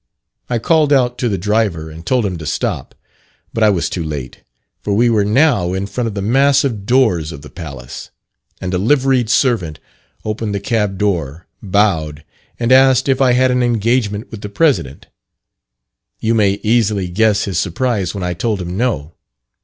I called out to the driver and told him to stop; but I was too late, for we were now in front of the massive doors of the palace, and a liveried servant opened the cab door, bowed, and asked if I had an engagement with the President. You may easily "guess" his surprise when I told him no.